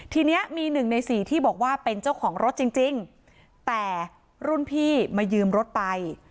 ทีนี้มีหนึ่งในสี่ที่บอกว่าเป็นเจ้าของรถจริงแต่รุ่นพี่มายืมรถไป